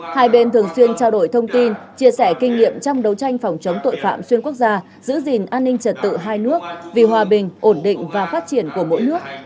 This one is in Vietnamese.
hai bên thường xuyên trao đổi thông tin chia sẻ kinh nghiệm trong đấu tranh phòng chống tội phạm xuyên quốc gia giữ gìn an ninh trật tự hai nước vì hòa bình ổn định và phát triển của mỗi nước